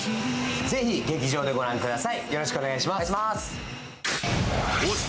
ぜひ劇場で御覧ください。